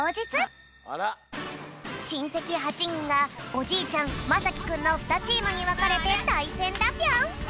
しんせき８にんがおじいちゃんまさきくんの２チームにわかれてたいせんだぴょん！